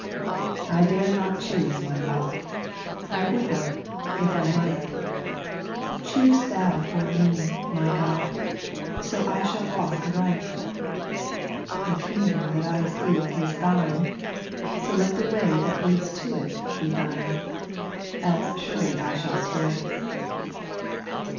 3. I dare not choose my lot, I would not, if I might ; Choose Thou for me, my God, So shall I walk aright. 4. The kingdom that I seek Is Thine, so let the way That leads to it be Thine, Else surely I shall stray.